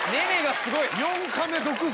４カメ独占！